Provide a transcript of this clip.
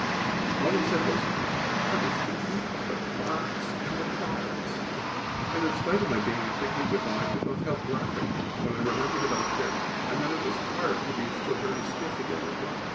All he said was, "I was thinking of the Clarkes and Clarks." And in spite of my being indignant with him I could not help laughing, when I remembered about them, and then it was hard to be very stiff again at once.